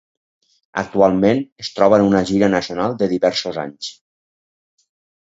Actualment es troba en una gira nacional de diversos anys.